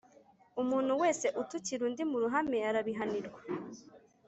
Umuntu wese utukira undi mu ruhame arabihanirwa